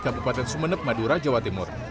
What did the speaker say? kabupaten sumeneb madura jawa timur